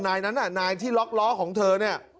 นายนั้นน่ะนายที่ล็อกล้อของเธอเนี่ย